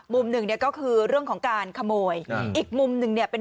มุมหนึ่งเนี่ยก็คือเรื่องของการขโมยอีกมุมหนึ่งเนี่ยเป็น